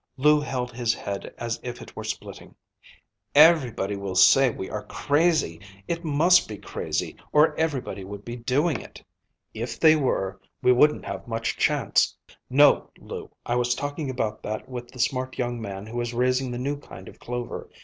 Lou held his head as if it were splitting. "Everybody will say we are crazy. It must be crazy, or everybody would be doing it." "If they were, we wouldn't have much chance. No, Lou, I was talking about that with the smart young man who is raising the new kind of clover.